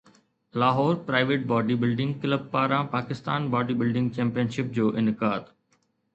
Lahore private body building club پاران Pakistan body building championship جو انعقاد